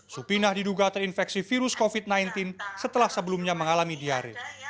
supinah diduga terinfeksi virus covid sembilan belas setelah sebelumnya mengalami diare